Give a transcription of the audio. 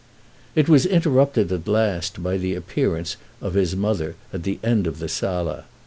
It was interrupted at last by the appearance of his mother at the end of the sala.